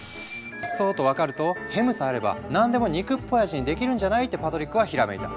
そうと分かるとヘムさえあれば何でも肉っぽい味にできるんじゃない？ってパトリックはひらめいた。